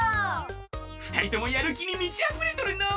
ふたりともやるきにみちあふれとるのう。